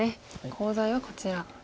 コウ材はこちらです。